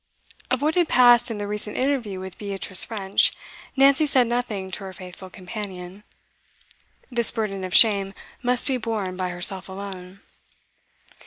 Of what had passed in the recent interview with Beatrice French, Nancy said nothing to her faithful companion. This burden of shame must be borne by herself alone.